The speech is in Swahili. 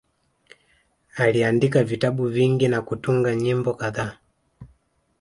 Aliandika vitabu vingi na kutunga nyimbo kadhaa